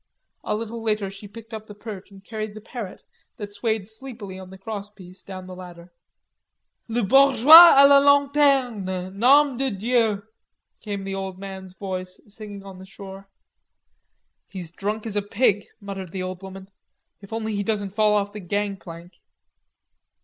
A little later she picked up the perch and carried the parrot, that swayed sleepily on the crosspiece, down the ladder. "Les bourgeois a la lanterne, nom de dieu!" came the old man's voice singing on the shore. "He's drunk as a pig," muttered the old woman. "If only he doesn't fall off the gang plank."